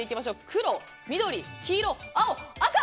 黒、緑、黄色、青、赤。